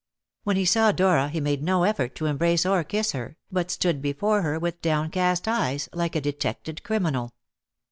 When he saw Dora he made no effort to embrace or kiss her, but stood before her with downcast eyes, like a detected criminal.